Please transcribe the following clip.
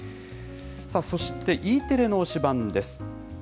そして、Ｅテレの推しバンです。